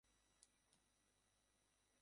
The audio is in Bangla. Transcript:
আমরা যেকোনও নতুন একটা ব্যবহার করতে পারবো, স্যার।